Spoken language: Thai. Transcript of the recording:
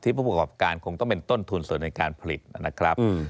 ผู้ประกอบการคงต้องเป็นต้นทุนส่วนในการผลิตนะครับ